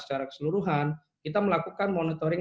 secara keseluruhan kita melakukan monitoring